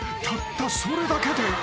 ［たったそれだけで］